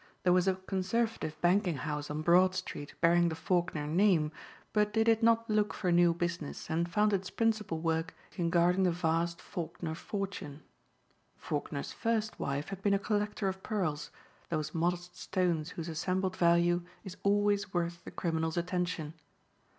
There was a conservative banking house on Broad Street bearing the Faulkner name but it did not look for new business and found its principal work in guarding the vast Faulkner fortune. Faulkner's first wife had been a collector of pearls, those modest stones whose assembled value is always worth the criminal's attention.